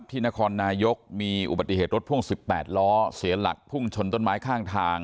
นครนายกมีอุบัติเหตุรถพ่วง๑๘ล้อเสียหลักพุ่งชนต้นไม้ข้างทาง